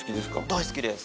大好きです。